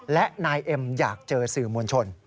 และนายเอ็มอยากเจอสื่อมวลชน